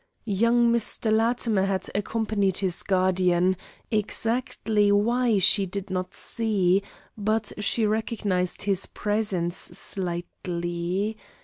Young Mr. Latimer had accompanied his guardian, exactly why she did not see, but she recognized his presence slightly.